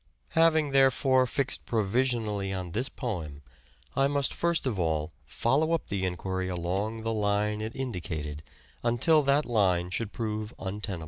Having, therefore, fixed provisionally on this poem I must first of all follow up the enquiry along the line it in dicated until that line should prove untenable.